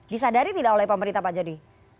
disadari tidak oleh pemerintah pak jody